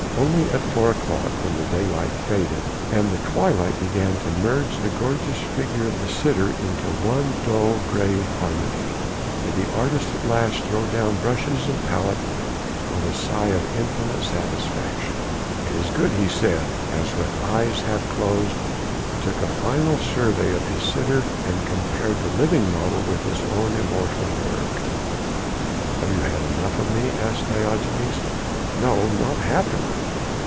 Only at four o'clock when daylight faded, and the twilight began to merge the gorgeous figure of the sitter into one dull, grey harmony, did the artist at last throw down brushes and palette with a sigh of infinite satisfaction. "It is good," he said, as with eyes half closed he took a final survey of his sitter and compared the living model with his own immortal work. "Have you had enough of me?" asked Diogenes. "No. Not half enough.